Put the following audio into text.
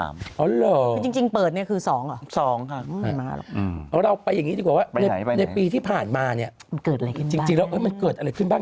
มันเกิดอะไรขึ้นบ้างจริงแล้วมันเกิดอะไรขึ้นบ้าง